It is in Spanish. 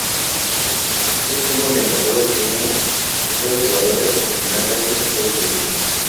El partido estuvo amenazado por una huelga de jugadores, aunque finalmente se pudo celebrar.